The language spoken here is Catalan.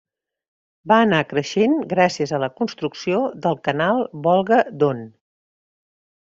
Va anar creixent gràcies a la construcció del Canal Volga-Don.